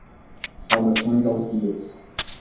Saudações aos guias